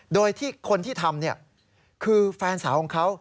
โดยที่คนที่ทำคือแฟนสาวของเขา